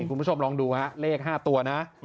คุณผู้ชมลองดูฮะเลข๕ตัวนะ